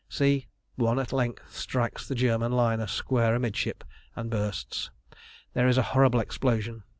See! one at length strikes the German liner square amidships, and bursts. There is a horrible explosion.